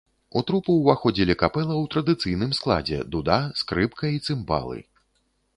У трупу ўваходзілі капэла ў традыцыйным складзе дуда, скрыпка і цымбалы.